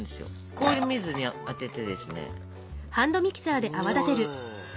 氷水にあててですね。